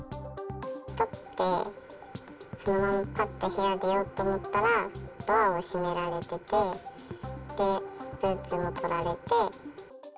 取って、そのままぱって部屋出ようと思ったら、ドアを閉められてて、ブーツも取られて。